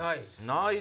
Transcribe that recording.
ない？